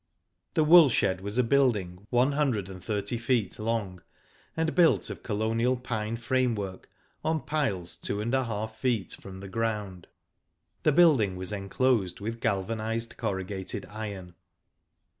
The wool shed was a building one hundred and thirty feet long, and built of colonial pine framework, on piles two and a half feet from the ground. The building was enclosed with galvanised corrugated iron.